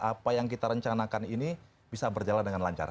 apa yang kita rencanakan ini bisa berjalan dengan lancar